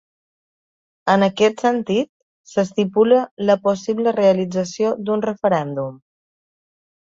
En aquest sentit, s’estipula la possible realització d’un referèndum.